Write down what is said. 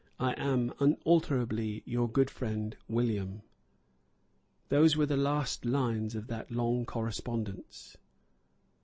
I am unalterably your good friend, William." Those were the last lines of that long correspondence.